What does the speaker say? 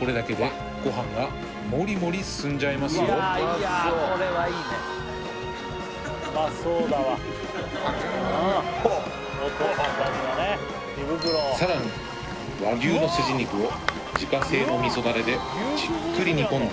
これだけでご飯がモリモリ進んじゃいますよさらに和牛のスジ肉を自家製の味噌ダレでじっくり煮込んだ